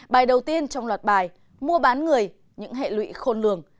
bài đầu tiên trong loạt bài mua bán người những hệ lụy khôn lường